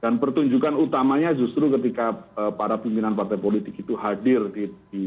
dan pertunjukan utamanya justru ketika para pimpinan partai politik itu hadir di pembinaan